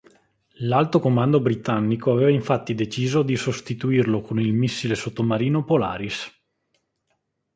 L'alto comando britannico aveva infatti deciso di sostituirlo con il missile sottomarino Polaris.